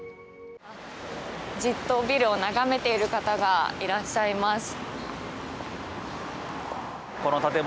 じっとビルを眺めている方がいらっしゃいます。